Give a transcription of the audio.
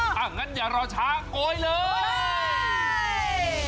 พร้อมที่จะอวกเลย